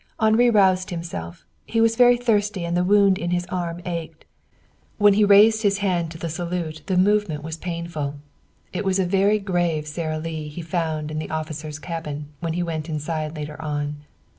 Henri roused himself. He was very thirsty, and the wound in his arm ached. When he raised his hand to salute the movement was painful. It was a very grave Sara Lee he found in the officer's cabin when he went inside later on.